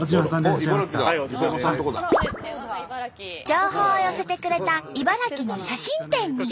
情報を寄せてくれた茨城の写真店に。